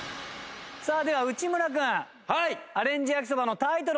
さあでは内村君アレンジ焼きそばのタイトル